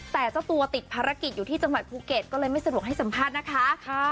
แต่เจ้าตัวติดภารกิจอยู่ที่จังหวัดภูเก็ตก็เลยไม่สะดวกให้สัมภาษณ์นะคะ